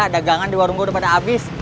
dagangan di warung gua udah pada abis